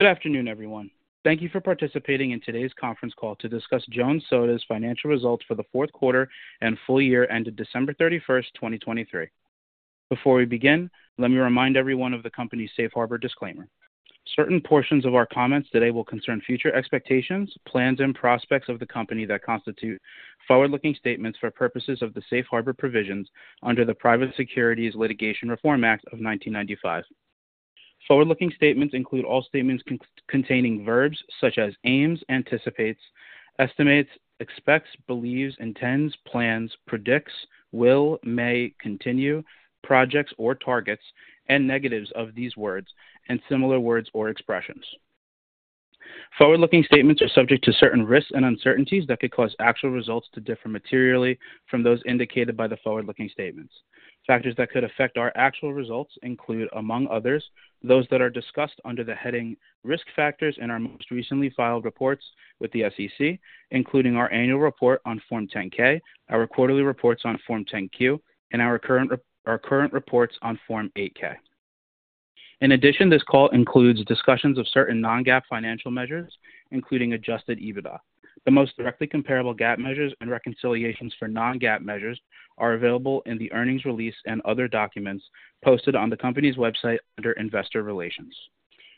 Good afternoon, everyone. Thank you for participating in today's conference call to discuss Jones Soda's Financial Results for the Fourth Quarter and Full Year Ended December 31, 2023. Before we begin, let me remind everyone of the company's Safe Harbor disclaimer. Certain portions of our comments today will concern future expectations, plans, and prospects of the company that constitute forward-looking statements for purposes of the Safe Harbor provisions under the Private Securities Litigation Reform Act of 1995. Forward-looking statements include all statements containing verbs such as aims, anticipates, estimates, expects, believes, intends, plans, predicts, will, may, continue, projects or targets, and negatives of these words and similar words or expressions. Forward-looking statements are subject to certain risks and uncertainties that could cause actual results to differ materially from those indicated by the forward-looking statements. Factors that could affect our actual results include, among others, those that are discussed under the heading Risk Factors in our most recently filed reports with the SEC, including our annual report on Form 10-K, our quarterly reports on Form 10-Q, and our current reports on Form 8-K. In addition, this call includes discussions of certain non-GAAP financial measures, including adjusted EBITDA. The most directly comparable GAAP measures and reconciliations for non-GAAP measures are available in the earnings release and other documents posted on the company's website under Investor Relations.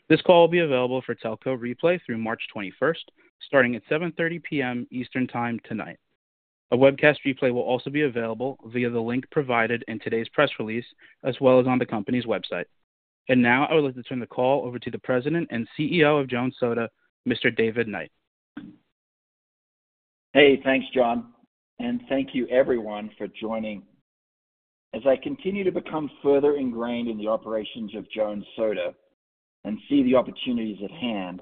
This call will be available for Telco replay through March 21, starting at 7:30 P.M. Eastern Time tonight. A webcast replay will also be available via the link provided in today's press release, as well as on the company's website. And now I would like to turn the call over to the President and CEO of Jones Soda, Mr. David Knight. Hey, thanks, John. Thank you, everyone, for joining. As I continue to become further ingrained in the operations of Jones Soda and see the opportunities at hand,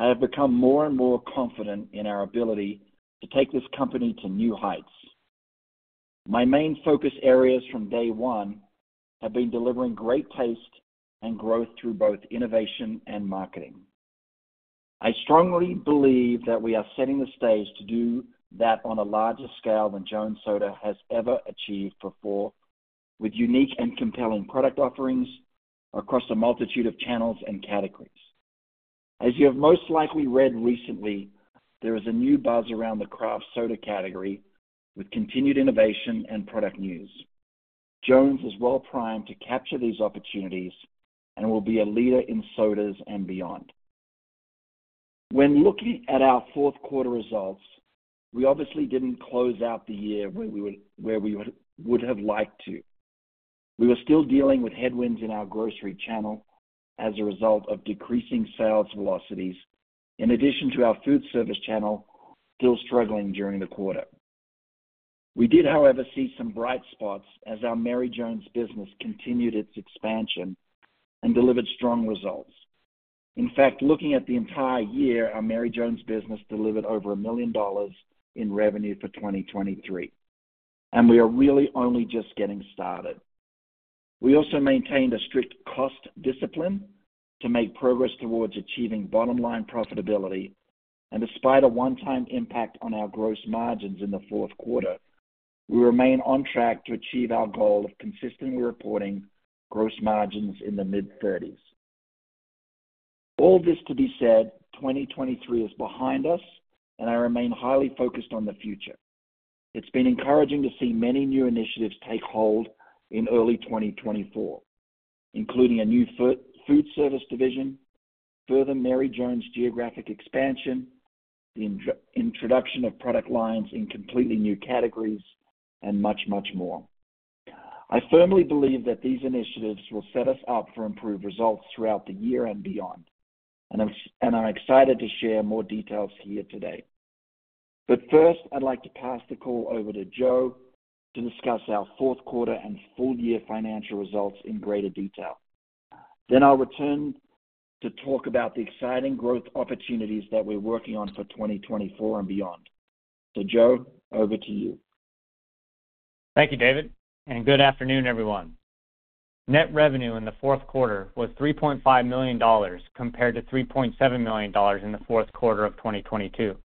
I have become more and more confident in our ability to take this company to new heights. My main focus areas from day one have been delivering great taste and growth through both innovation and marketing. I strongly believe that we are setting the stage to do that on a larger scale than Jones Soda has ever achieved before, with unique and compelling product offerings across a multitude of channels and categories. As you have most likely read recently, there is a new buzz around the craft soda category with continued innovation and product news. Jones is well primed to capture these opportunities and will be a leader in sodas and beyond. When looking at our fourth quarter results, we obviously didn't close out the year where we would have liked to. We were still dealing with headwinds in our grocery channel as a result of decreasing sales velocities, in addition to our food service channel still struggling during the quarter. We did, however, see some bright spots as our Mary Jones business continued its expansion and delivered strong results. In fact, looking at the entire year, our Mary Jones business delivered over $1 million in revenue for 2023, and we are really only just getting started. We also maintained a strict cost discipline to make progress towards achieving bottom-line profitability, and despite a one-time impact on our gross margins in the fourth quarter, we remain on track to achieve our goal of consistently reporting gross margins in the mid-30s%. All this to be said, 2023 is behind us, and I remain highly focused on the future. It's been encouraging to see many new initiatives take hold in early 2024, including a new food service division, further Mary Jones geographic expansion, the introduction of product lines in completely new categories, and much, much more. I firmly believe that these initiatives will set us up for improved results throughout the year and beyond, and I'm excited to share more details here today. But first, I'd like to pass the call over to Joe to discuss our fourth quarter and full-year financial results in greater detail. Then I'll return to talk about the exciting growth opportunities that we're working on for 2024 and beyond. So Joe, over to you. Thank you, David. Good afternoon, everyone. Net revenue in the fourth quarter was $3.5 million compared to $3.7 million in the fourth quarter of 2022.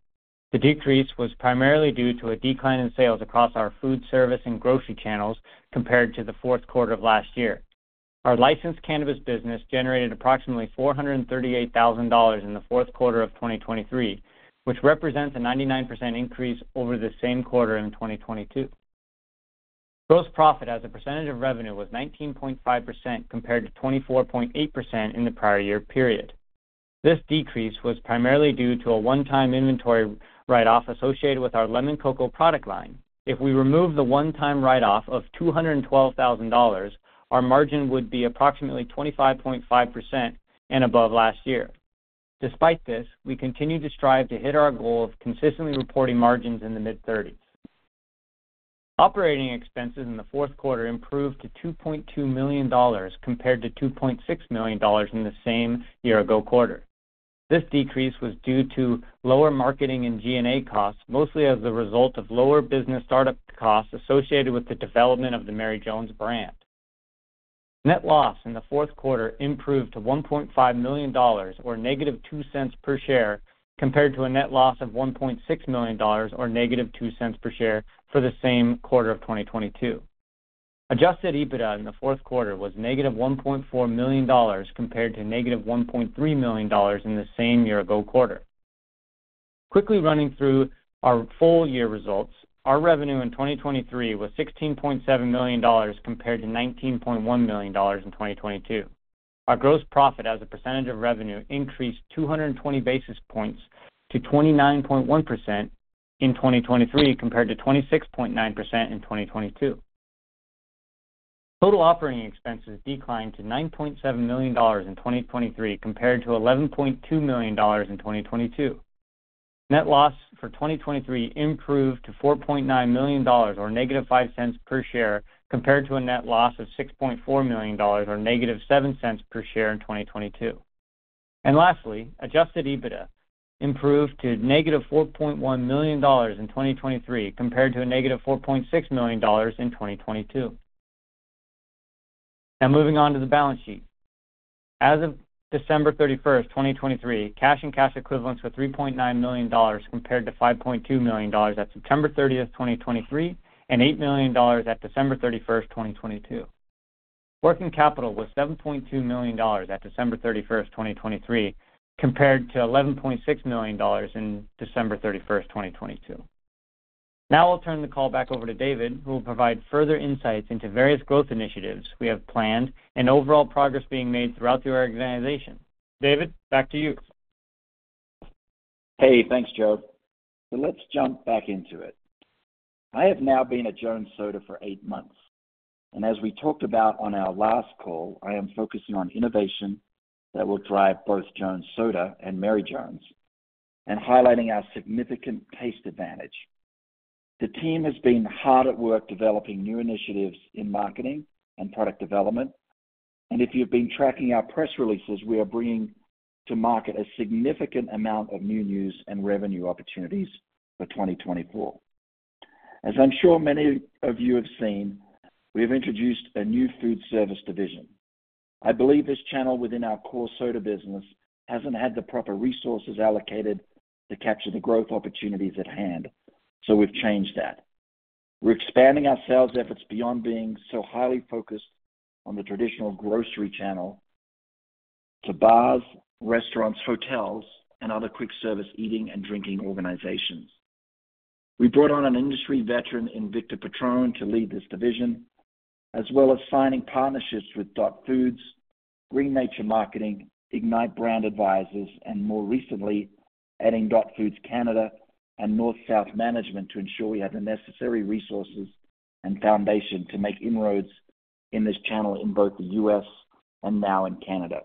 The decrease was primarily due to a decline in sales across our food service and grocery channels compared to the fourth quarter of last year. Our licensed cannabis business generated approximately $438,000 in the fourth quarter of 2023, which represents a 99% increase over the same quarter in 2022. Gross profit as a percentage of revenue was 19.5% compared to 24.8% in the prior year period. This decrease was primarily due to a one-time inventory write-off associated with our Lemoncocco product line. If we remove the one-time write-off of $212,000, our margin would be approximately 25.5% and above last year. Despite this, we continue to strive to hit our goal of consistently reporting margins in the mid-30s. Operating expenses in the fourth quarter improved to $2.2 million compared to $2.6 million in the same year-ago quarter. This decrease was due to lower marketing and G&A costs, mostly as a result of lower business startup costs associated with the development of the Mary Jones brand. Net loss in the fourth quarter improved to $1.5 million or -$0.02 per share compared to a net loss of $1.6 million or -$0.02 per share for the same quarter of 2022. Adjusted EBITDA in the fourth quarter was -$1.4 million compared to -$1.3 million in the same year-ago quarter. Quickly running through our full-year results, our revenue in 2023 was $16.7 million compared to $19.1 million in 2022. Our gross profit as a percentage of revenue increased 220 basis points to 29.1% in 2023 compared to 26.9% in 2022. Total operating expenses declined to $9.7 million in 2023 compared to $11.2 million in 2022. Net loss for 2023 improved to $4.9 million or -$0.05 per share compared to a net loss of $6.4 million or -$0.07 per share in 2022. And lastly, Adjusted EBITDA improved to -$4.1 million in 2023 compared to a -$4.6 million in 2022. Now moving on to the balance sheet. As of December 31, 2023, cash and cash equivalents were $3.9 million compared to $5.2 million at September 30, 2023, and $8 million at December 31, 2022. Working capital was $7.2 million at December 31, 2023, compared to $11.6 million in December 31, 2022. Now I'll turn the call back over to David, who will provide further insights into various growth initiatives we have planned and overall progress being made throughout the organization. David, back to you. Hey, thanks, Joe. So let's jump back into it. I have now been at Jones Soda for eight months, and as we talked about on our last call, I am focusing on innovation that will drive both Jones Soda and Mary Jones, and highlighting our significant taste advantage. The team has been hard at work developing new initiatives in marketing and product development, and if you've been tracking our press releases, we are bringing to market a significant amount of new news and revenue opportunities for 2024. As I'm sure many of you have seen, we have introduced a new food service division. I believe this channel within our core soda business hasn't had the proper resources allocated to capture the growth opportunities at hand, so we've changed that. We're expanding our sales efforts beyond being so highly focused on the traditional grocery channel to bars, restaurants, hotels, and other quick-service eating and drinking organizations. We brought on an industry veteran in Victor Petrone to lead this division, as well as signing partnerships with Dot Foods, Green Nature Marketing, Ignite Brand Advisors, and more recently, adding Dot Foods Canada and North South Management to ensure we have the necessary resources and foundation to make inroads in this channel in both the U.S. and now in Canada.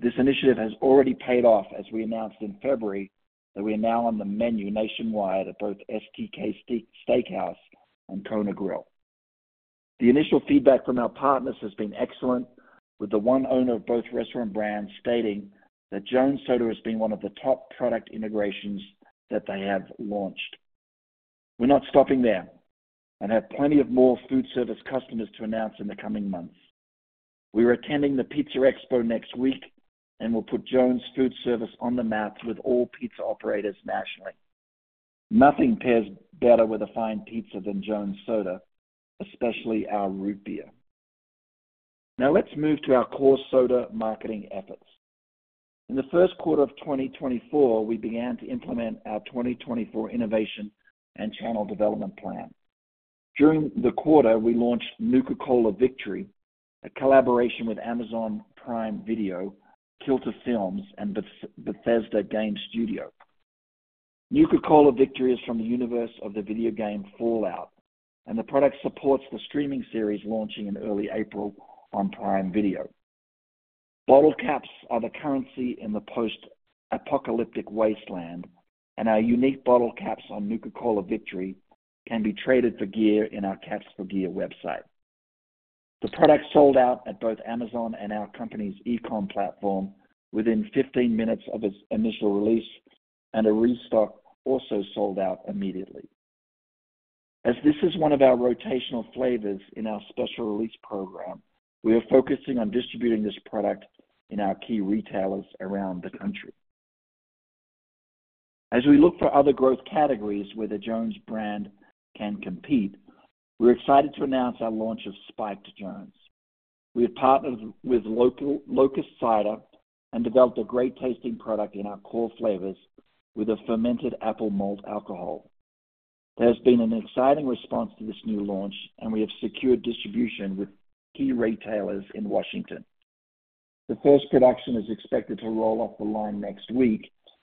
This initiative has already paid off, as we announced in February, that we are now on the menu nationwide at both STK Steakhouse and Kona Grill. The initial feedback from our partners has been excellent, with the one owner of both restaurant brands stating that Jones Soda has been one of the top product integrations that they have launched. We're not stopping there and have plenty of more food service customers to announce in the coming months. We are attending the Pizza Expo next week and will put Jones Food Service on the map with all pizza operators nationally. Nothing pairs better with a fine pizza than Jones Soda, especially our root beer. Now let's move to our core soda marketing efforts. In the first quarter of 2024, we began to implement our 2024 innovation and channel development plan. During the quarter, we launched Nuka-Cola Victory, a collaboration with Amazon Prime Video, Kilter Films, and Bethesda Game Studios. Nuka-Cola Victory is from the universe of the video game Fallout, and the product supports the streaming series launching in early April on Prime Video. Bottle caps are the currency in the post-apocalyptic wasteland, and our unique bottle caps on Nuka-Cola Victory can be traded for gear in our Caps for Gear website. The product sold out at both Amazon and our company's e-commerce platform within 15 minutes of its initial release, and a restock also sold out immediately. As this is one of our rotational flavors in our special release program, we are focusing on distributing this product in our key retailers around the country. As we look for other growth categories where the Jones brand can compete, we're excited to announce our launch of Spiked Jones. We have partnered with Locust Cider and developed a great tasting product in our core flavors with a fermented apple malt alcohol. There has been an exciting response to this new launch, and we have secured distribution with key retailers in Washington. The first production is expected to roll off the line next week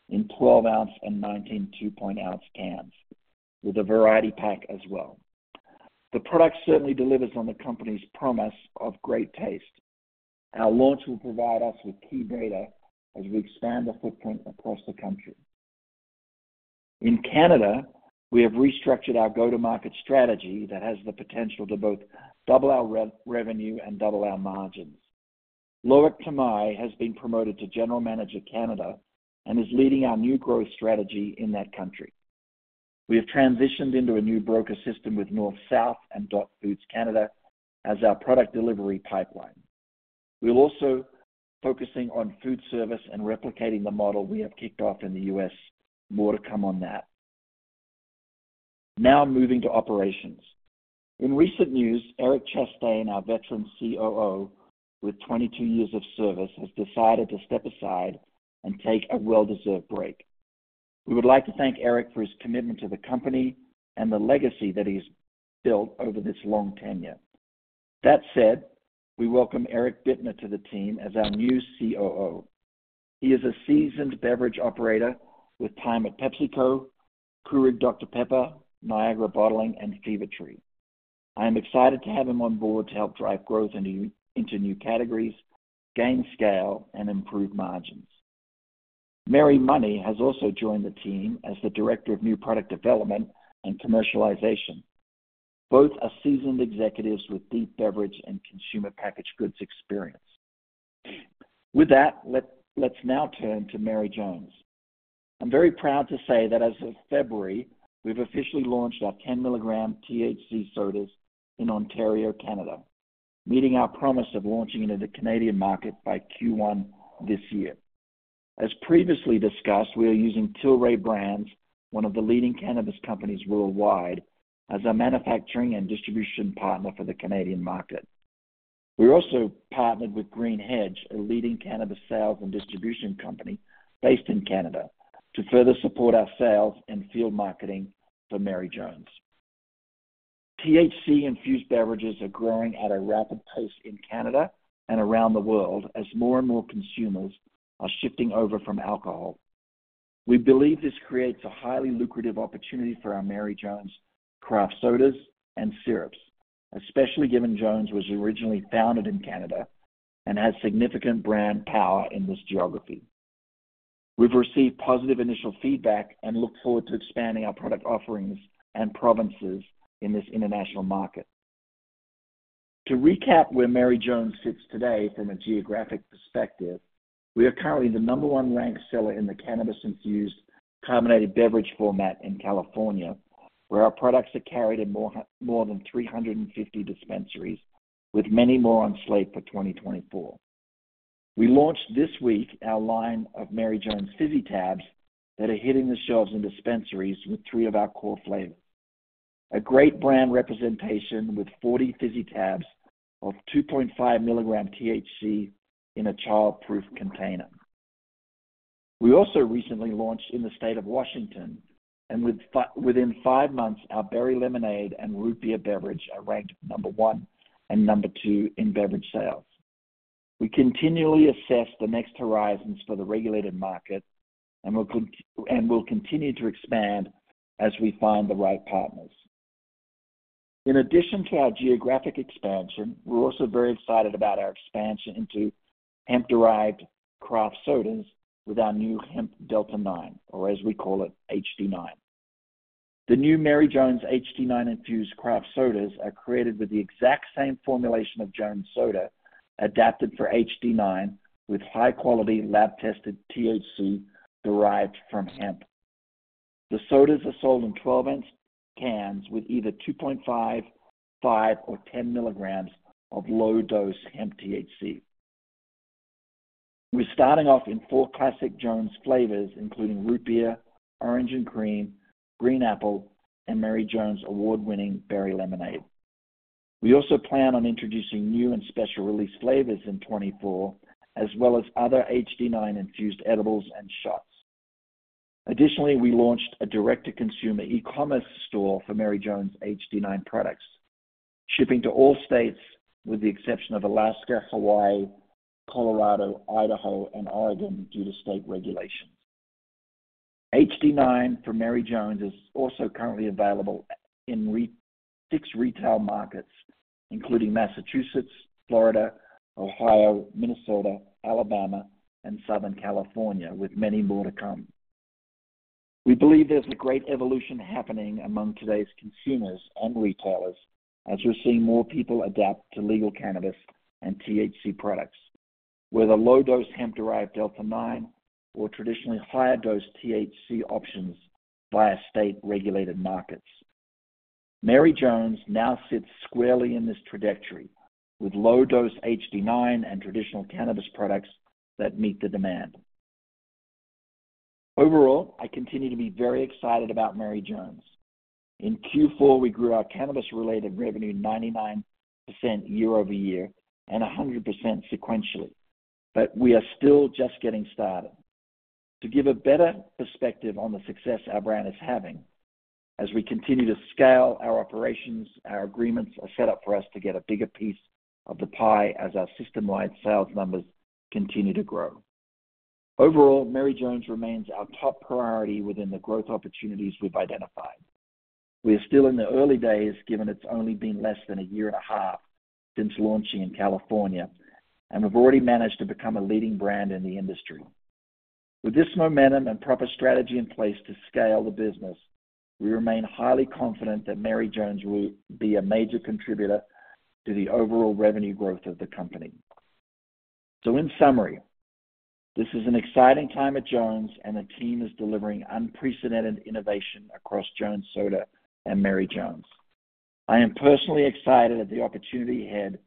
in 12-ounce and 19.2-ounce cans, with a variety pack as well. The product certainly delivers on the company's promise of great taste. Our launch will provide us with key data as we expand the footprint across the country. In Canada, we have restructured our go-to-market strategy that has the potential to both double our revenue and double our margins. Loïc Tomei has been promoted to General Manager for Canada and is leading our new growth strategy in that country. We have transitioned into a new broker system with North South and Dot Foods Canada as our product delivery pipeline. We're also focusing on food service and replicating the model we have kicked off in the U.S. More to come on that. Now moving to operations. In recent news, Eric Chastain, our veteran COO with 22 years of service, has decided to step aside and take a well-deserved break. We would like to thank Eric for his commitment to the company and the legacy that he's built over this long tenure. That said, we welcome Eric Bittner to the team as our new COO. He is a seasoned beverage operator with time at PepsiCo, Keurig Dr Pepper, Niagara Bottling, and Fever-Tree. I am excited to have him on board to help drive growth into new categories, gain scale, and improve margins. Mary Money has also joined the team as the Director of New Product Development and Commercialization, both seasoned executives with deep beverage and consumer packaged goods experience. With that, let's now turn to Mary Jones. I'm very proud to say that as of February, we've officially launched our 10-milligram THC sodas in Ontario, Canada, meeting our promise of launching into the Canadian market by Q1 this year. As previously discussed, we are using Tilray Brands, one of the leading cannabis companies worldwide, as our manufacturing and distribution partner for the Canadian market. We also partnered with Green Hedge, a leading cannabis sales and distribution company based in Canada, to further support our sales and field marketing for Mary Jones. THC-infused beverages are growing at a rapid pace in Canada and around the world as more and more consumers are shifting over from alcohol. We believe this creates a highly lucrative opportunity for our Mary Jones craft sodas and syrups, especially given Jones was originally founded in Canada and has significant brand power in this geography. We've received positive initial feedback and look forward to expanding our product offerings and provinces in this international market. To recap where Mary Jones sits today from a geographic perspective, we are currently the number 1-ranked seller in the cannabis-infused carbonated beverage format in California, where our products are carried in more than 350 dispensaries, with many more on slate for 2024. We launched this week our line of Mary Jones Fizzy Tabs that are hitting the shelves in dispensaries with three of our core flavors, a great brand representation with 40 fizzy tabs of 2.5 milligram THC in a child-proof container. We also recently launched in the state of Washington, and within five months, our Berry Lemonade and Root Beer beverage are ranked number one and number two in beverage sales. We continually assess the next horizons for the regulated market, and we'll continue to expand as we find the right partners. In addition to our geographic expansion, we're also very excited about our expansion into hemp-derived craft sodas with our new Hemp Delta 9, or as we call it, HD9. The new Mary Jones HD9-infused craft sodas are created with the exact same formulation of Jones Soda adapted for HD9 with high-quality, lab-tested THC derived from hemp. The sodas are sold in 12-ounce cans with either 2.5, 5, or 10 milligrams of low-dose hemp THC. We're starting off in four classic Jones flavors, including root beer, orange and cream, green apple, and Mary Jones award-winning berry lemonade. We also plan on introducing new and special release flavors in 2024, as well as other HD9-infused edibles and shots. Additionally, we launched a direct-to-consumer e-commerce store for Mary Jones HD9 products, shipping to all states with the exception of Alaska, Hawaii, Colorado, Idaho, and Oregon due to state regulations. HD9 for Mary Jones is also currently available in six retail markets, including Massachusetts, Florida, Ohio, Minnesota, Alabama, and Southern California, with many more to come. We believe there's a great evolution happening among today's consumers and retailers as we're seeing more people adapt to legal cannabis and THC products, whether low-dose hemp-derived Delta-9 or traditionally higher-dose THC options via state-regulated markets. Mary Jones now sits squarely in this trajectory with low-dose HD9 and traditional cannabis products that meet the demand. Overall, I continue to be very excited about Mary Jones. In Q4, we grew our cannabis-related revenue 99% year-over-year and 100% sequentially, but we are still just getting started. To give a better perspective on the success our brand is having, as we continue to scale our operations, our agreements are set up for us to get a bigger piece of the pie as our system-wide sales numbers continue to grow. Overall, Mary Jones remains our top priority within the growth opportunities we've identified. We are still in the early days, given it's only been less than a year and a half since launching in California, and we've already managed to become a leading brand in the industry. With this momentum and proper strategy in place to scale the business, we remain highly confident that Mary Jones will be a major contributor to the overall revenue growth of the company. So in summary, this is an exciting time at Jones, and the team is delivering unprecedented innovation across Jones Soda and Mary Jones. I am personally excited at the opportunity ahead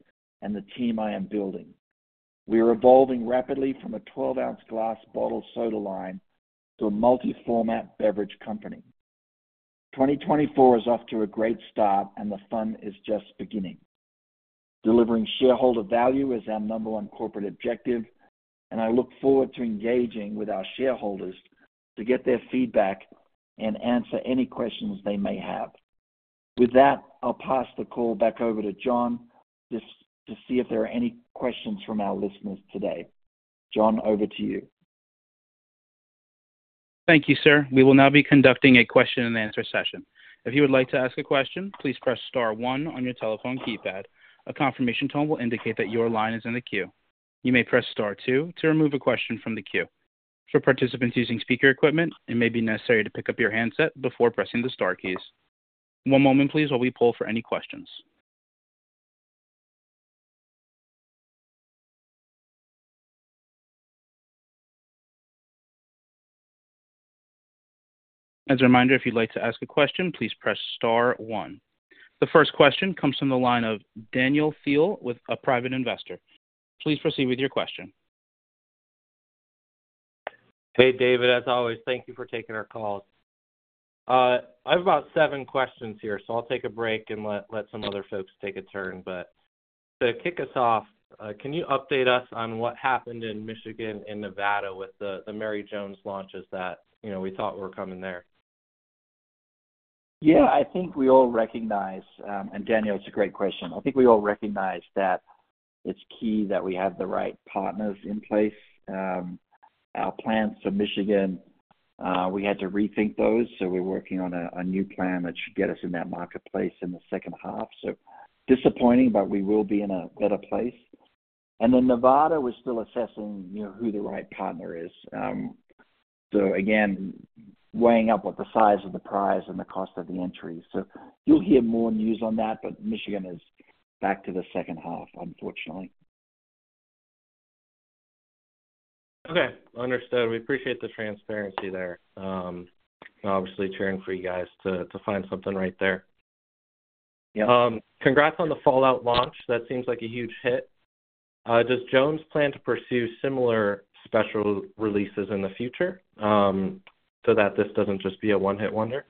and the team I am building. We are evolving rapidly from a 12-ounce glass bottle soda line to a multi-format beverage company. 2024 is off to a great start, and the fun is just beginning. Delivering shareholder value is our number one corporate objective, and I look forward to engaging with our shareholders to get their feedback and answer any questions they may have. With that, I'll pass the call back over to John to see if there are any questions from our listeners today. John, over to you. Thank you, sir. We will now be conducting a question-and-answer session. If you would like to ask a question, please press star one on your telephone keypad. A confirmation tone will indicate that your line is in the queue. You may press star two to remove a question from the queue. For participants using speaker equipment, it may be necessary to pick up your handset before pressing the star keys. One moment, please, while we pull for any questions. As a reminder, if you'd like to ask a question, please press star one. The first question comes from the line of Daniel Thiel with a private investor. Please proceed with your question. Hey, David. As always, thank you for taking our calls. I have about seven questions here, so I'll take a break and let some other folks take a turn. But to kick us off, can you update us on what happened in Michigan and Nevada with the Mary Jones launches that we thought were coming there? Yeah. I think we all recognize, and Daniel, it's a great question. I think we all recognize that it's key that we have the right partners in place. Our plans for Michigan, we had to rethink those, so we're working on a new plan that should get us in that marketplace in the second half. So disappointing, but we will be in a better place. And then Nevada, we're still assessing who the right partner is. So again, weighing up with the size of the prize and the cost of the entry. So you'll hear more news on that, but Michigan is back to the second half, unfortunately. Okay. Understood. We appreciate the transparency there. Obviously, cheering for you guys to find something right there. Congrats on the Fallout launch. That seems like a huge hit. Does Jones plan to pursue similar special releases in the future so that this doesn't just be a one-hit wonder?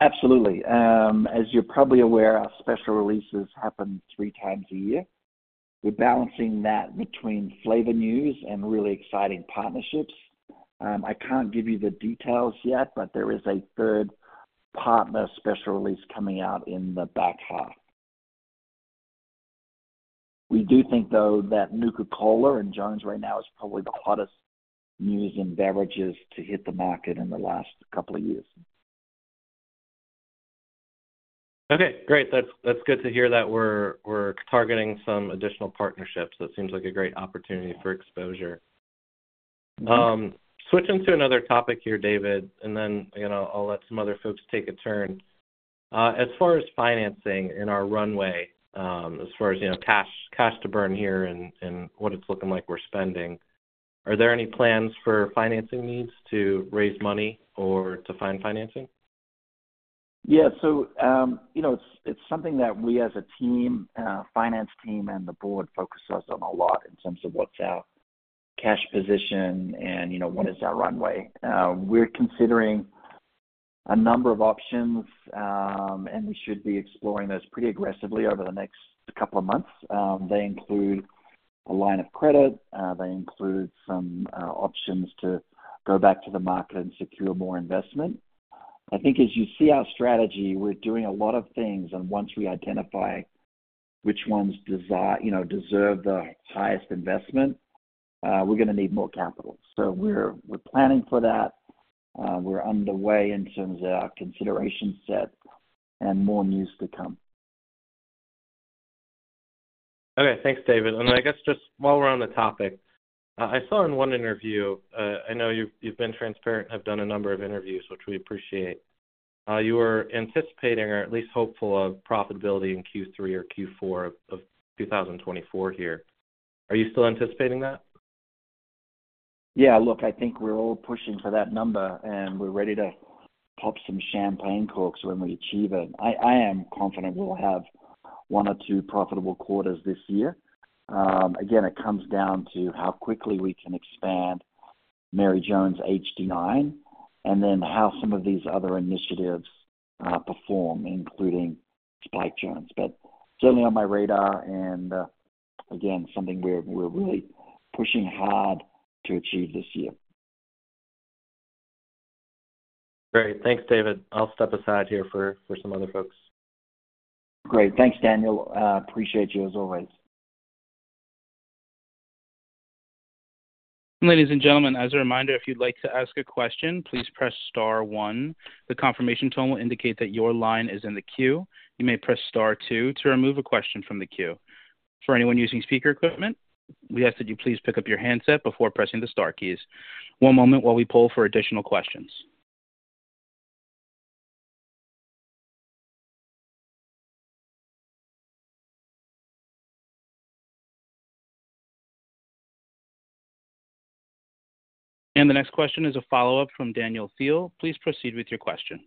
Absolutely. As you're probably aware, our special releases happen three times a year. We're balancing that between flavor news and really exciting partnerships. I can't give you the details yet, but there is a third partner special release coming out in the back half. We do think, though, that Nuka-Cola and Jones right now is probably the hottest news in beverages to hit the market in the last couple of years. Okay. Great. That's good to hear that we're targeting some additional partnerships. That seems like a great opportunity for exposure. Switching to another topic here, David, and then I'll let some other folks take a turn. As far as financing in our runway, as far as cash to burn here and what it's looking like we're spending, are there any plans for financing needs to raise money or to find financing? Yeah. So it's something that we, as a finance team and the board, focus on a lot in terms of what's our cash position and what is our runway. We're considering a number of options, and we should be exploring those pretty aggressively over the next couple of months. They include a line of credit. They include some options to go back to the market and secure more investment. I think as you see our strategy, we're doing a lot of things. And once we identify which ones deserve the highest investment, we're going to need more capital. So we're planning for that. We're underway in terms of our consideration set and more news to come. Okay. Thanks, David. I guess just while we're on the topic, I saw in one interview I know you've been transparent and have done a number of interviews, which we appreciate. You were anticipating or at least hopeful of profitability in Q3 or Q4 of 2024 here. Are you still anticipating that? Yeah. Look, I think we're all pushing for that number, and we're ready to pop some champagne cork when we achieve it. I am confident we'll have one or two profitable quarters this year. Again, it comes down to how quickly we can expand Mary Jones HD9 and then how some of these other initiatives perform, including Spiked Jones. But certainly on my radar and, again, something we're really pushing hard to achieve this year. Great. Thanks, David. I'll step aside here for some other folks. Great. Thanks, Daniel. Appreciate you as always. Ladies and gentlemen, as a reminder, if you'd like to ask a question, please press star one. The confirmation tone will indicate that your line is in the queue. You may press star two to remove a question from the queue. For anyone using speaker equipment, we ask that you please pick up your handset before pressing the star keys. One moment while we pull for additional questions. And the next question is a follow-up from Daniel Thiel. Please proceed with your question.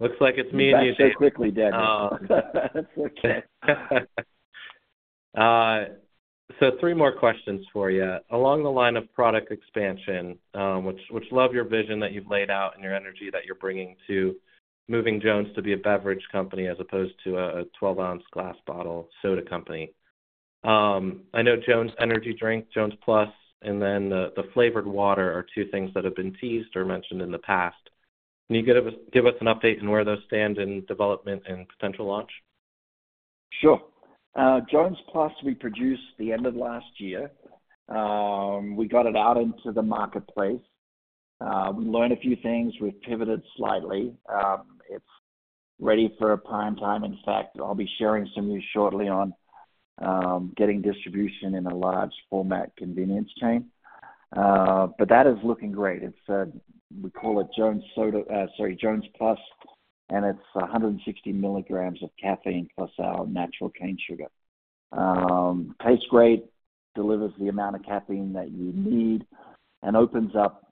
Looks like it's me and you. That's so quick, Daniel. That's okay. Three more questions for you. Along the line of product expansion, which love your vision that you've laid out and your energy that you're bringing to moving Jones to be a beverage company as opposed to a 12-ounce glass bottle soda company. I know Jones Energy Drink, Jones Plus, and then the flavored water are two things that have been teased or mentioned in the past. Can you give us an update on where those stand in development and potential launch? Sure. Jones Plus, we produced the end of last year. We got it out into the marketplace. We learned a few things. We've pivoted slightly. It's ready for prime time. In fact, I'll be sharing some news shortly on getting distribution in a large-format convenience chain. But that is looking great. We call it Jones Soda sorry, Jones Plus, and it's 160 milligrams of caffeine plus our natural cane sugar. Tastes great, delivers the amount of caffeine that you need, and opens up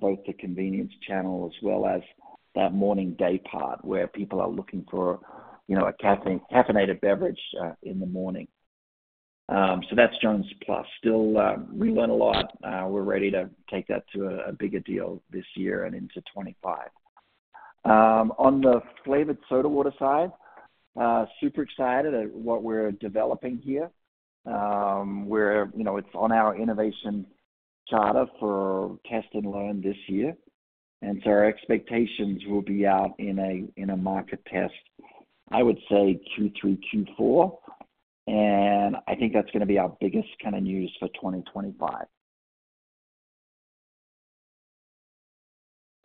both the convenience channel as well as that morning day part where people are looking for a caffeinated beverage in the morning. So that's Jones Plus. Still, we learn a lot. We're ready to take that to a bigger deal this year and into 2025. On the flavored soda water side, super excited at what we're developing here. It's on our innovation charter for test and learn this year. So our expectations will be out in a market test, I would say, Q3, Q4. I think that's going to be our biggest kind of news for 2025.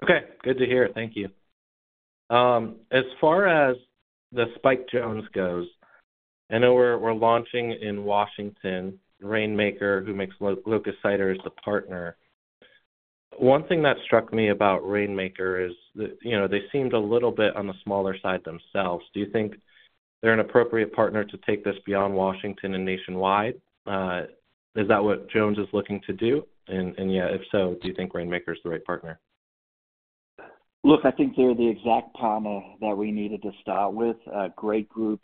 Okay. Good to hear. Thank you. As far as the Spiked Jones goes, I know we're launching in Washington. Rainmaker, who makes Locust Cider, is the partner. One thing that struck me about Rainmaker is they seemed a little bit on the smaller side themselves. Do you think they're an appropriate partner to take this beyond Washington and nationwide? Is that what Jones is looking to do? And yeah, if so, do you think Rainmaker is the right partner? Look, I think they're the exact partner that we needed to start with. Great group,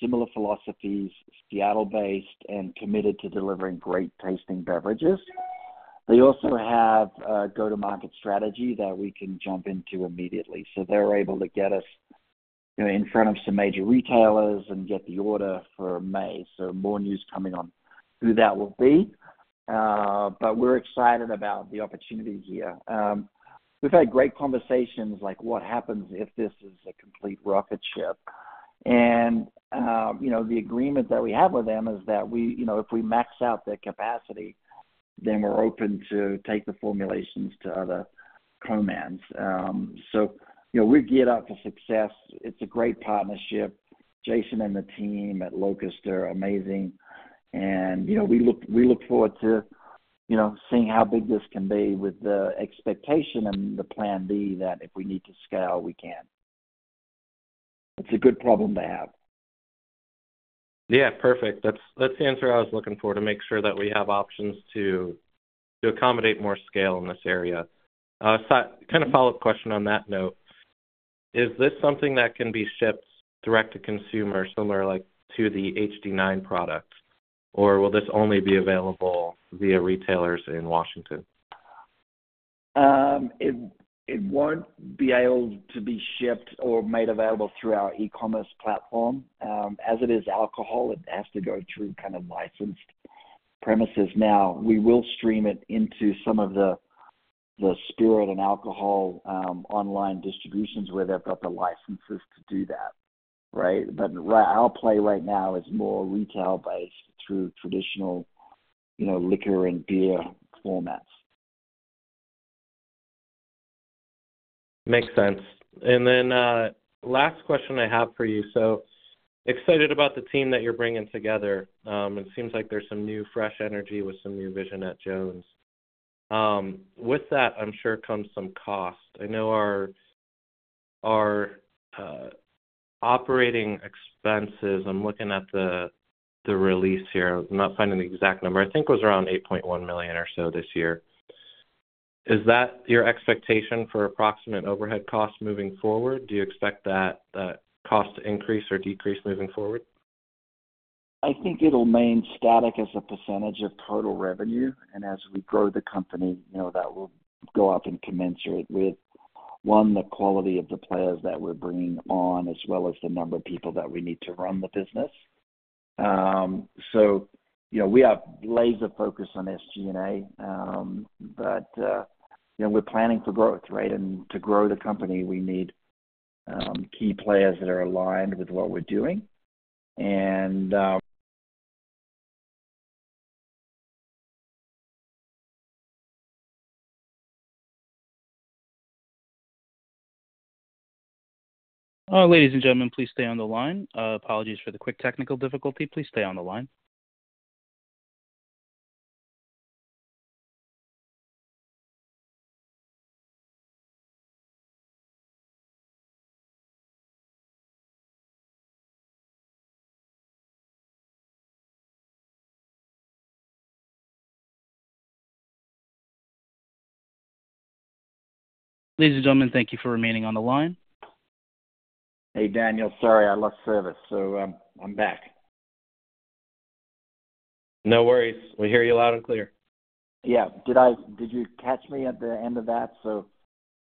similar philosophies, Seattle-based, and committed to delivering great tasting beverages. They also have a go-to-market strategy that we can jump into immediately. So they're able to get us in front of some major retailers and get the order for May. So more news coming on who that will be. But we're excited about the opportunity here. We've had great conversations like, "What happens if this is a complete rocket ship?" And the agreement that we have with them is that if we max out their capacity, then we're open to take the formulations to other canners. So we're geared up for success. It's a great partnership. Jason and the team at Locust are amazing. We look forward to seeing how big this can be with the expectation and the plan B that if we need to scale, we can. It's a good problem to have. Yeah. Perfect. That's the answer I was looking for, to make sure that we have options to accommodate more scale in this area. Kind of follow-up question on that note. Is this something that can be shipped direct to consumer, similar to the HD9 product, or will this only be available via retailers in Washington? It won't be able to be shipped or made available through our e-commerce platform. As it is alcohol, it has to go through kind of licensed premises. Now, we will stream it into some of the spirit and alcohol online distributions where they've got the licenses to do that, right? But our play right now is more retail-based through traditional liquor and beer formats. Makes sense. Then last question I have for you. So excited about the team that you're bringing together. It seems like there's some new fresh energy with some new vision at Jones. With that, I'm sure comes some cost. I know our operating expenses. I'm looking at the release here. I'm not finding the exact number. I think it was around $8.1 million or so this year. Is that your expectation for approximate overhead costs moving forward? Do you expect that cost to increase or decrease moving forward? I think it'll remain static as a percentage of total revenue. And as we grow the company, that will go up commensurate with, one, the quality of the players that we're bringing on as well as the number of people that we need to run the business. So we have laser focus on SG&A, but we're planning for growth, right? And to grow the company, we need key players that are aligned with what we're doing. And. Ladies and gentlemen, please stay on the line. Apologies for the quick technical difficulty. Please stay on the line. Ladies and gentlemen, thank you for remaining on the line. Hey, Daniel. Sorry. I lost service. So I'm back. No worries. We hear you loud and clear. Yeah. Did you catch me at the end of that? So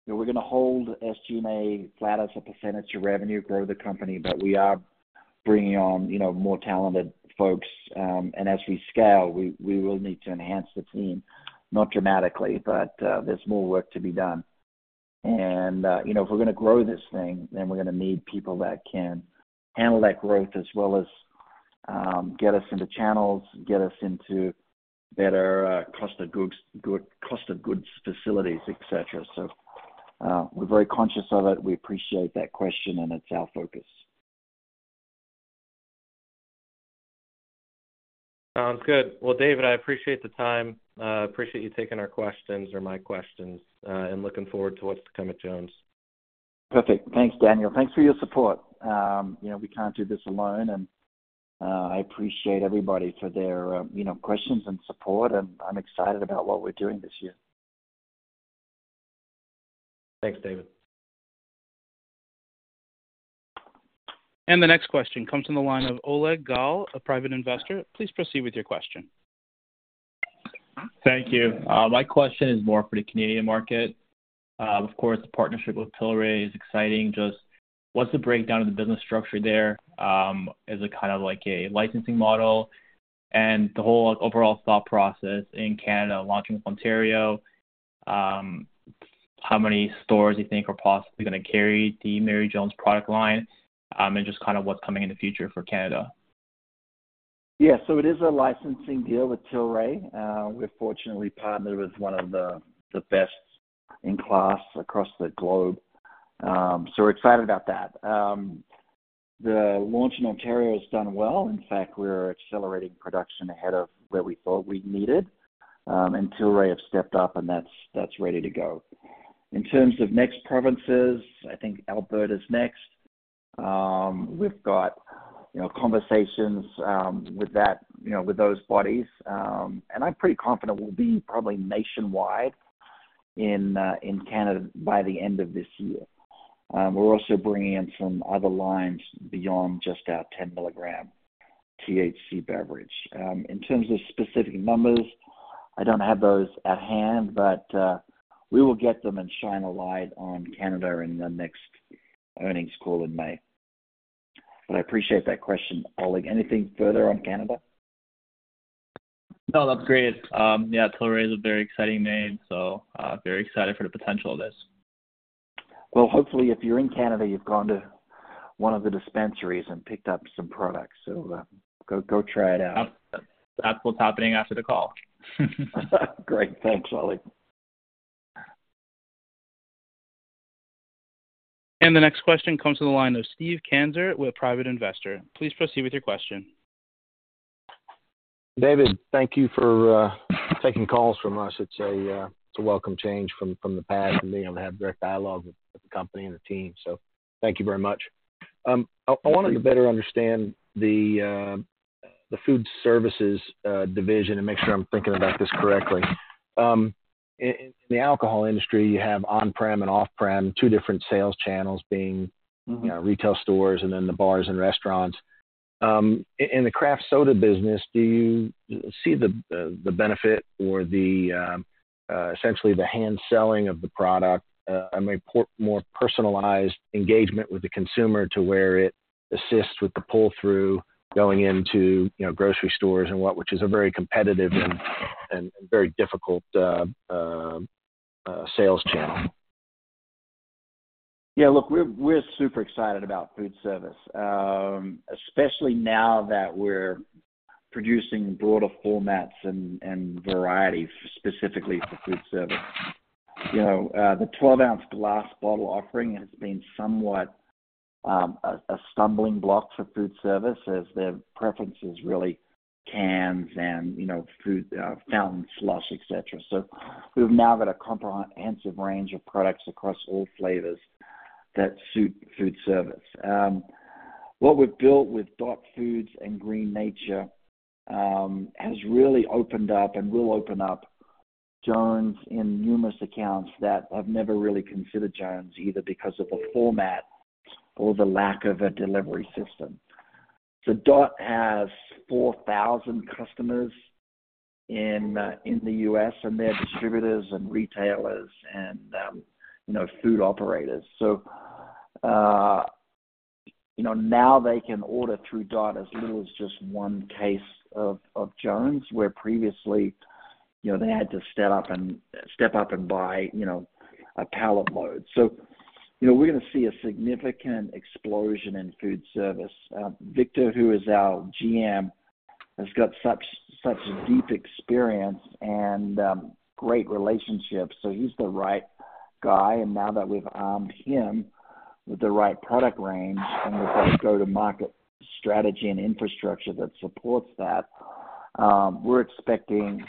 we're going to hold SG&A flat as a percentage of revenue, grow the company, but we are bringing on more talented folks. And as we scale, we will need to enhance the team, not dramatically, but there's more work to be done. And if we're going to grow this thing, then we're going to need people that can handle that growth as well as get us into channels, get us into better cost-of-goods facilities, etc. So we're very conscious of it. We appreciate that question, and it's our focus. Sounds good. Well, David, I appreciate the time. I appreciate you taking our questions or my questions and looking forward to what's to come at Jones. Perfect. Thanks, Daniel. Thanks for your support. We can't do this alone. And I appreciate everybody for their questions and support, and I'm excited about what we're doing this year. Thanks, David. The next question comes on the line of Oleg Gal, a private investor. Please proceed with your question. Thank you. My question is more for the Canadian market. Of course, the partnership with Tilray is exciting. Just what's the breakdown of the business structure there? Is it kind of like a licensing model? And the whole overall thought process in Canada, launching with Ontario, how many stores do you think are possibly going to carry the Mary Jones product line, and just kind of what's coming in the future for Canada? Yeah. So it is a licensing deal with Tilray. We're fortunately partnered with one of the best in class across the globe. So we're excited about that. The launch in Ontario has done well. In fact, we're accelerating production ahead of where we thought we needed, and Tilray have stepped up, and that's ready to go. In terms of next provinces, I think Alberta's next. We've got conversations with those bodies, and I'm pretty confident we'll be probably nationwide in Canada by the end of this year. We're also bringing in some other lines beyond just our 10-milligram THC beverage. In terms of specific numbers, I don't have those at hand, but we will get them and shine a light on Canada in the next earnings call in May. But I appreciate that question, Oleg. Anything further on Canada? No, that's great. Yeah, Tilray is a very exciting name, so very excited for the potential of this. Well, hopefully, if you're in Canada, you've gone to one of the dispensaries and picked up some products. So go try it out. That's what's happening after the call. Great. Thanks, Oleg. The next question comes on the line of Steve Kanser with Private Investor. Please proceed with your question. David, thank you for taking calls from us. It's a welcome change from the past and being able to have direct dialogue with the company and the team. So thank you very much. I wanted to better understand the food services division and make sure I'm thinking about this correctly. In the alcohol industry, you have on-prem and off-prem, two different sales channels being retail stores and then the bars and restaurants. In the craft soda business, do you see the benefit or essentially the handselling of the product, a more personalized engagement with the consumer to where it assists with the pull-through going into grocery stores and what, which is a very competitive and very difficult sales channel? Yeah. Look, we're super excited about food service, especially now that we're producing broader formats and variety specifically for food service. The 12-ounce glass bottle offering has been somewhat a stumbling block for food service as their preference is really cans and food fountain slush, etc. So we've now got a comprehensive range of products across all flavors that suit food service. What we've built with Dot Foods and Green Nature has really opened up and will open up Jones in numerous accounts that have never really considered Jones either because of the format or the lack of a delivery system. So Dot has 4,000 customers in the U.S., and they're distributors and retailers and food operators. So now they can order through Dot as little as just one case of Jones where previously, they had to step up and buy a pallet load. We're going to see a significant explosion in food service. Victor, who is our GM, has got such deep experience and great relationships. He's the right guy. Now that we've armed him with the right product range and with our go-to-market strategy and infrastructure that supports that, we're expecting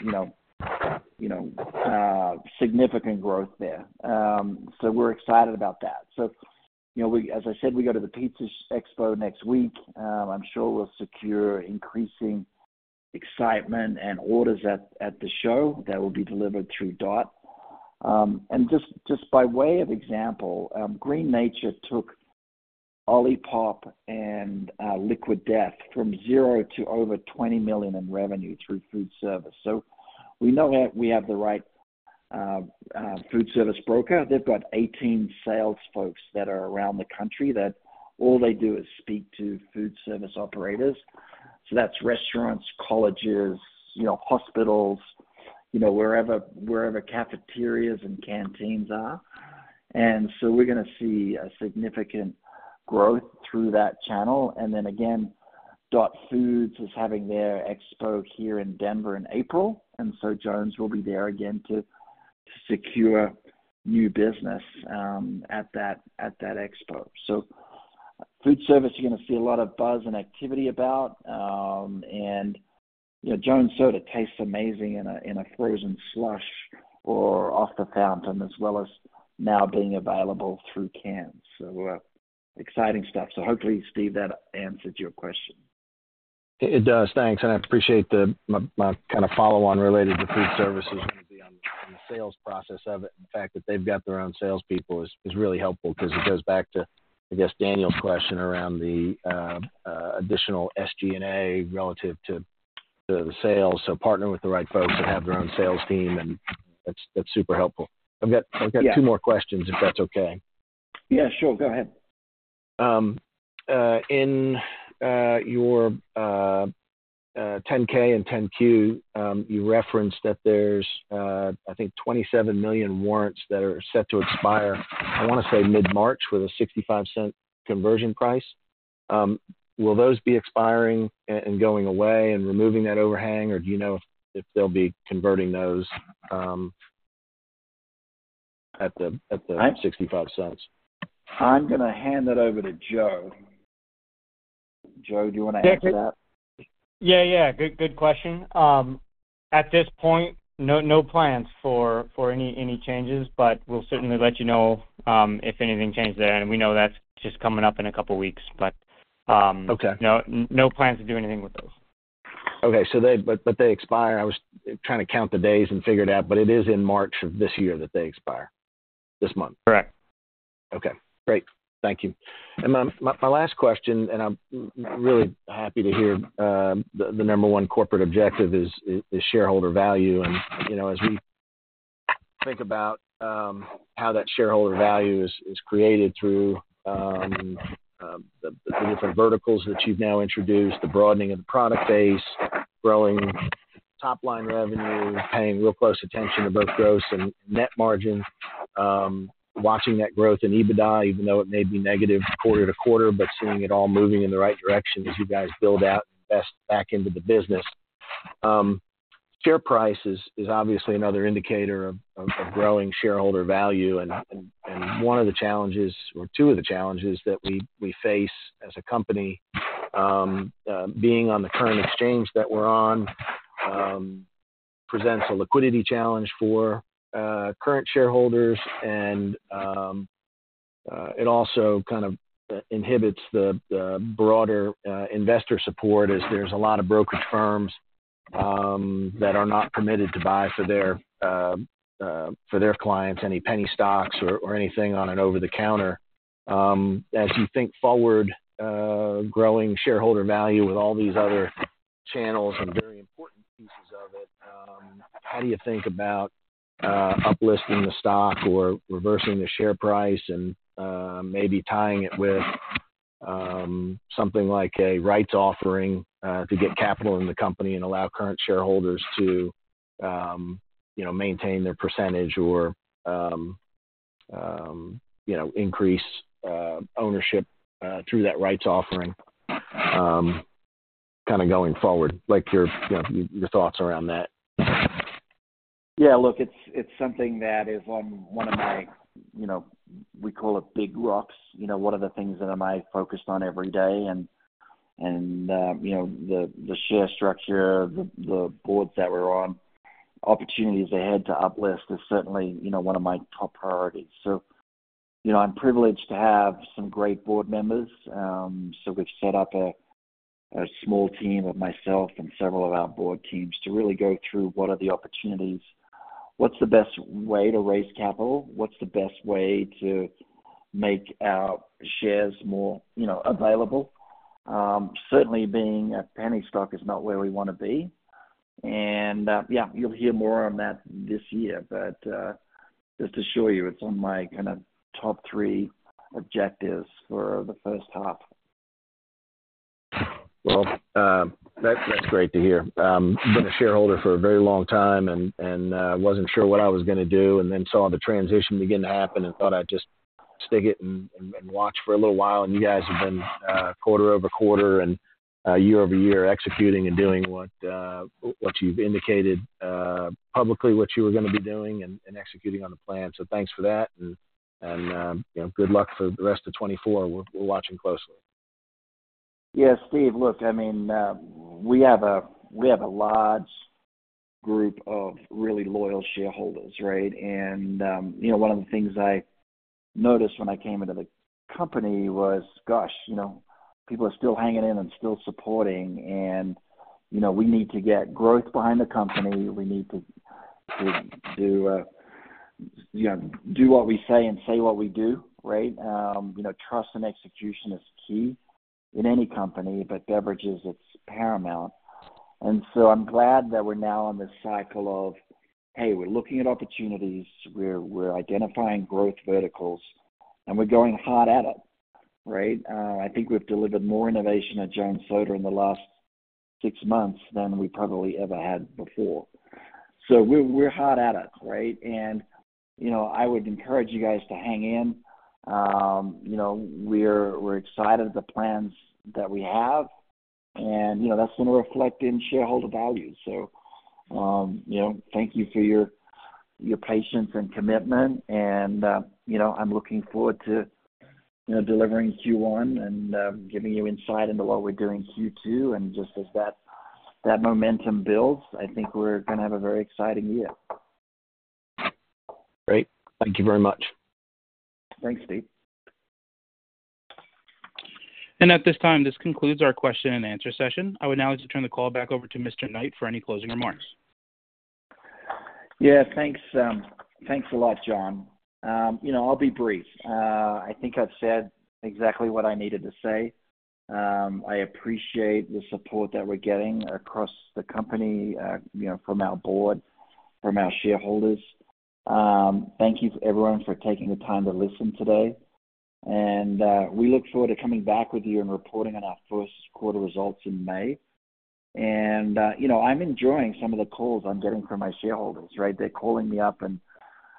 significant growth there. We're excited about that. As I said, we go to the pizza expo next week. I'm sure we'll secure increasing excitement and orders at the show that will be delivered through Dot. And just by way of example, Green Nature took Olipop and Liquid Death from 0 to over $20 million in revenue through food service. We know we have the right food service broker. They've got 18 sales folks that are around the country that all they do is speak to food service operators. So that's restaurants, colleges, hospitals, wherever cafeterias and canteens are. And so we're going to see a significant growth through that channel. And then again, Dot Foods is having their expo here in Denver in April. And so Jones will be there again to secure new business at that expo. So food service, you're going to see a lot of buzz and activity about. And Jones Soda tastes amazing in a frozen slush or off the fountain as well as now being available through cans. So exciting stuff. So hopefully, Steve, that answered your question. It does. Thanks. I appreciate my kind of follow-on related to food service. Going to be on the sales process of it and the fact that they've got their own salespeople is really helpful because it goes back to, I guess, Daniel's question around the additional SG&A relative to the sales. So partner with the right folks that have their own sales team, and that's super helpful. I've got two more questions if that's okay. Yeah, sure. Go ahead. In your 10-K and 10-Q, you referenced that there's, I think, 27 million warrants that are set to expire, I want to say, mid-March with a $0.65 conversion price. Will those be expiring and going away and removing that overhang, or do you know if they'll be converting those at the $0.65? I'm going to hand that over to Joe. Joe, do you want to ask that? Yeah, yeah. Good question. At this point, no plans for any changes, but we'll certainly let you know if anything changes there. And we know that's just coming up in a couple of weeks, but no plans to do anything with those. Okay. They expire. I was trying to count the days and figure it out, but it is in March of this year that they expire, this month. Correct. Okay. Great. Thank you. And my last question, and I'm really happy to hear the number one corporate objective is shareholder value. And as we think about how that shareholder value is created through the different verticals that you've now introduced, the broadening of the product base, growing top-line revenue, paying real close attention to both gross and net margin, watching that growth in EBITDA, even though it may be negative quarter to quarter, but seeing it all moving in the right direction as you guys build out and invest back into the business. Share price is obviously another indicator of growing shareholder value. And one of the challenges or two of the challenges that we face as a company, being on the current exchange that we're on, presents a liquidity challenge for current shareholders. It also kind of inhibits the broader investor support as there's a lot of brokerage firms that are not permitted to buy for their clients any penny stocks or anything on an over-the-counter. As you think forward, growing shareholder value with all these other channels and very important pieces of it, how do you think about uplisting the stock or reversing the share price and maybe tying it with something like a rights offering to get capital in the company and allow current shareholders to maintain their percentage or increase ownership through that rights offering kind of going forward? Your thoughts around that. Yeah. Look, it's something that is on one of my we call it big rocks. What are the things that am I focused on every day? And the share structure, the boards that we're on, opportunities ahead to uplist is certainly one of my top priorities. So I'm privileged to have some great board members. So we've set up a small team of myself and several of our board teams to really go through what are the opportunities, what's the best way to raise capital, what's the best way to make our shares more available. Certainly, being a penny stock is not where we want to be. And yeah, you'll hear more on that this year. But just to assure you, it's on my kind of top three objectives for the first half. Well, that's great to hear. Been a shareholder for a very long time and wasn't sure what I was going to do and then saw the transition begin to happen and thought I'd just stick it and watch for a little while. And you guys have been quarter over quarter and year over year executing and doing what you've indicated publicly, what you were going to be doing and executing on the plan. So thanks for that, and good luck for the rest of 2024. We're watching closely. Yeah, Steve. Look, I mean, we have a large group of really loyal shareholders, right? And one of the things I noticed when I came into the company was, gosh, people are still hanging in and still supporting. And we need to get growth behind the company. We need to do what we say and say what we do, right? Trust and execution is key in any company, but beverages, it's paramount. And so I'm glad that we're now on this cycle of, hey, we're looking at opportunities. We're identifying growth verticals, and we're going hard at it, right? I think we've delivered more innovation at Jones Soda in the last six months than we probably ever had before. So we're hard at it, right? And I would encourage you guys to hang in. We're excited at the plans that we have, and that's going to reflect in shareholder value. Thank you for your patience and commitment. I'm looking forward to delivering Q1 and giving you insight into what we're doing Q2. Just as that momentum builds, I think we're going to have a very exciting year. Great. Thank you very much. Thanks, Steve. At this time, this concludes our question and answer session. I would now like to turn the call back over to Mr. Knight for any closing remarks. Yeah, thanks a lot, John. I'll be brief. I think I've said exactly what I needed to say. I appreciate the support that we're getting across the company from our board, from our shareholders. Thank you, everyone, for taking the time to listen today. And we look forward to coming back with you and reporting on our first quarter results in May. And I'm enjoying some of the calls I'm getting from my shareholders, right? They're calling me up and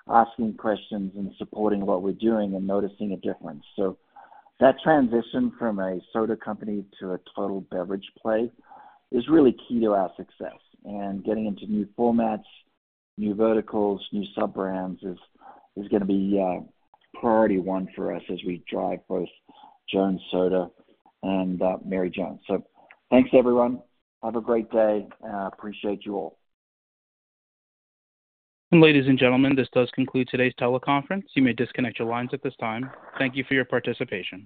asking questions and supporting what we're doing and noticing a difference. So that transition from a soda company to a total beverage play is really key to our success. And getting into new formats, new verticals, new sub-brands is going to be priority one for us as we drive both Jones Soda and Mary Jones. So thanks, everyone. Have a great day. Appreciate you all. Ladies and gentlemen, this does conclude today's teleconference. You may disconnect your lines at this time. Thank you for your participation.